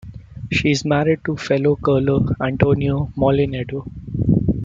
She is married to fellow curler Antonio Mollinedo.